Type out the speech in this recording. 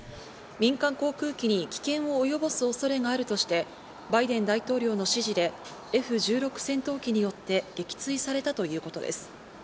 民間航空機に危険をおよぼす恐れがあるとして、バイデン大統領の指示でＦ１６戦闘機によって撃墜されたということです。